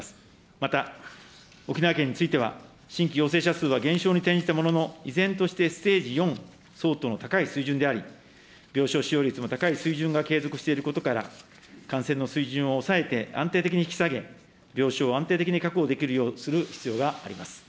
また、沖縄県については新規陽性者数は減少に転じたものの、依然としてステージ４相当の高い水準であり、病床使用率も高い水準が継続していることから、感染の水準を抑えて、安定的に引き下げ、病床を安定的に確保できるようにする必要があります。